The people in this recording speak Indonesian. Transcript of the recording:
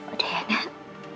udah ya nak